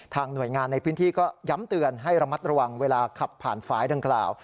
หน่วยงานในพื้นที่ก็ย้ำเตือนให้ระมัดระวังเวลาขับผ่านฝ่ายดังกล่าว